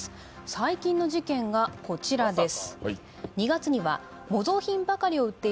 最近の事件がこちらです